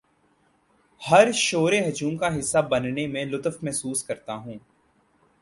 پر شور ہجوم کا حصہ بننے میں لطف محسوس کرتا ہوں